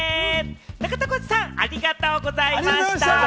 中田浩二さん、ありがとうございました。